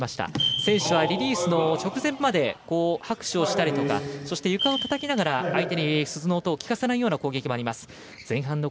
選手はリリースの直前まで拍手をしたりとか床をたたきながら相手に鈴の音を聞かせないような攻撃もあります。